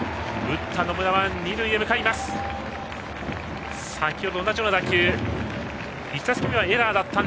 打った野村は二塁へ向かいました。